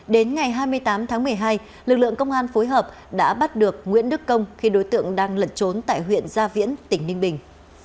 đến ngày hai mươi tám tháng một mươi hai lực lượng công an phối hợp đã bắt được nguyễn đức công khi đối tượng đang lẩn trốn tại huyện gia viễn tỉnh ninh bình